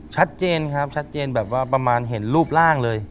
ชัดเจนครับชัดเจนแบบว่าประมาณเห็นรูปร่างเลย